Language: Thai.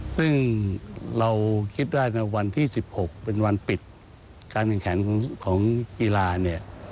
ซึ่งเราคิดได้ในวันที่๑๖เป็นวันปิดการแข่งขันของกีฬาเนี่ย